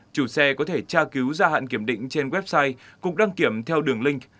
chủ xe có thể tra cứu gia hạn kiểm định trên website cục đăng kiểm theo đường link